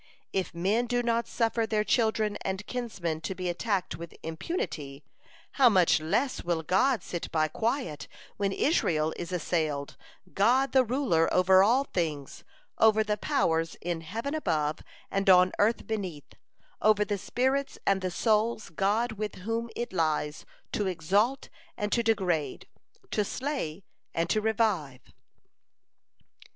If men do not suffer their children and kinsmen to be attacked with impunity, how much less will God sit by quiet when Israel is assailed God the Ruler over all things, over the powers in heaven above and on earth beneath, over the spirits and the souls God with whom it lies to exalt and to degrade, to slay and to revive."